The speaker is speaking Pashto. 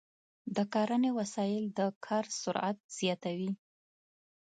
د کرنې وسایل د کار سرعت زیاتوي.